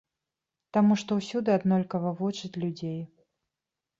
Таму што ўсюды аднолькава вучаць людзей.